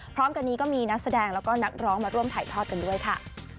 พร้อมกันนี้ก็มีนักแสดงแล้วก็นักร้องมาร่วมถ่ายทอดกันด้วยค่ะ